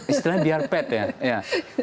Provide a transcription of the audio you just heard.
istilahnya diarpet ya